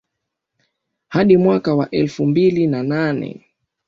Hadi mwaka wa elfu mbili na nane